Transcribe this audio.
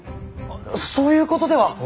そういうことでは！